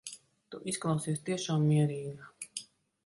Tu izklausies tiešām mierīga.